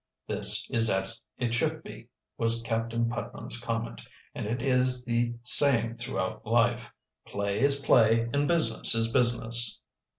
"This is as it should be," was Captain Putnam's comment. "And it is the same throughout life: play is play and business is business."